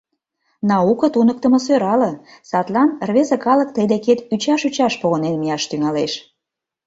Науко туныктымо сӧрале, садлан рвезе калык тый декет ӱчаш-ӱчаш погынен мияш тӱҥалеш...